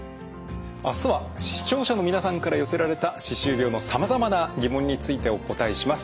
明日は視聴者の皆さんから寄せられた歯周病のさまざまな疑問についてお答えします。